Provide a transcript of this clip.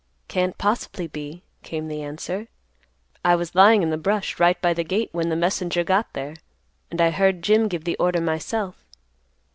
"Can't possibly be," came the answer. "I was lying in the brush, right by the gate when the messenger got there, and I heard Jim give the order myself.